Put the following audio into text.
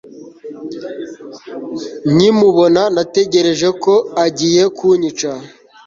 Nkimubona natekereje ko agiye kunyica